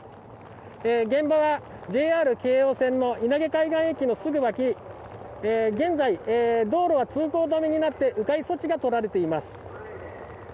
現場はＪＲ京葉線の稲毛海岸駅のすぐ脇現在、道路は通行止めになって迂回措置が取られています。